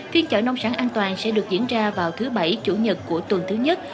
phiên chợ nông sản an toàn sẽ được diễn ra vào thứ bảy chủ nhật của tuần thứ nhất